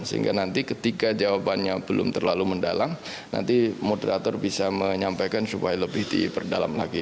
sehingga nanti ketika jawabannya belum terlalu mendalam nanti moderator bisa menyampaikan supaya lebih diperdalam lagi